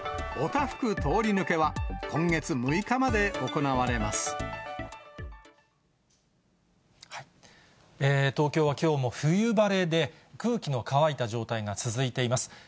お多福通り抜けは、今月６日まで東京はきょうも冬晴れで、空気の乾いた状態が続いています。